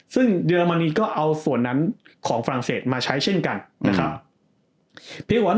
ซึ่งเยอร์มันนีก็เอาส่วนนั้นตัวมาใช้เช่นกันนะครับ